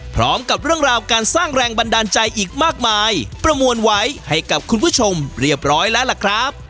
พร้อมกับเรื่องราวการสร้างแรงบันดาลใจอีกมากมายประมวลไว้ให้กับคุณผู้ชมเรียบร้อยแล้วล่ะครับ